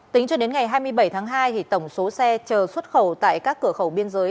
tính cho đến ngày hai mươi bảy tháng hai tổng số xe chờ xuất khẩu tại các cửa khẩu biên giới